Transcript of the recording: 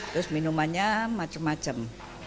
terus minumannya macam macam